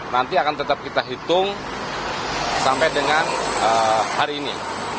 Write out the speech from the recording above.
nanti akan tetap kita hitung sampai dengan hari ini